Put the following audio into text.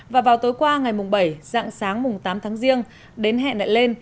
và vào tối qua ngày bảy dạng sáng tám tháng riêng đến hẹn lại lên